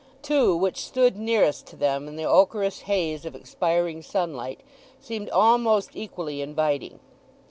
Two, which stood nearest to them in the ochreous haze of expiring sunlight, seemed almost equally inviting.